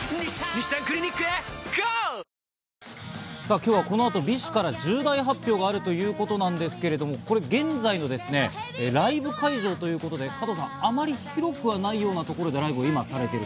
今日はこの後、ＢｉＳＨから重大発表があるということなんですけれども、これ、現在のライブ会場ということで、あまり広くはないようなところで今ライブをされている。